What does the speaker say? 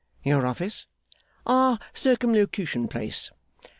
'Your office?' 'Our Circumlocution place.